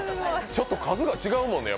ちょっと数が違うもんね。